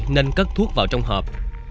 nên cất thuốc vào trong hộp